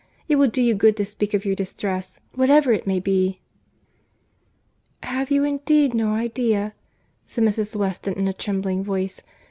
It will do you good to speak of your distress, whatever it may be." "Have you indeed no idea?" said Mrs. Weston in a trembling voice.